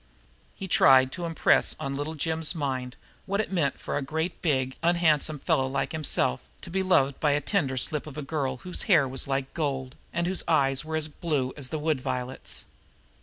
He tried to impress upon Little Jim's mind what it meant for a great big, unhandsome fellow like himself to be loved by a tender slip of a girl whose hair was like gold and whose eyes were as blue as the wood violets.